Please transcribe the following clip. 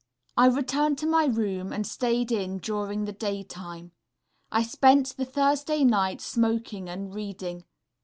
]... I returned to my room, and stayed in during the daytime. I spent the Thursday night smoking and reading.